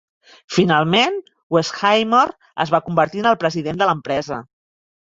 Finalment, Westheimer es va convertir en el president de l'empresa.